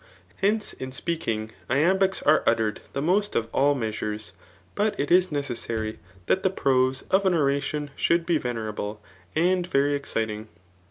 Hence, in speaking, iam Imcs are uttered the most of all measures. But it is , necessary that the prose of an oradon should be natt" rable and very exddng.